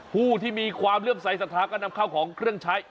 ผู้ที่มีความเลื่อมใสสัทธาก็นำเข้าของเครื่องใช้